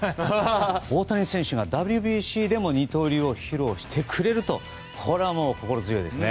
大谷選手がＷＢＣでも二刀流を披露してくれるとこれはもう心強いですね。